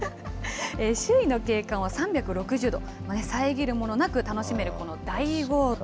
周囲の景観を３６０度、遮るものなく楽しめるこの大豪邸。